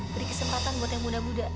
beri kesempatan buat yang muda muda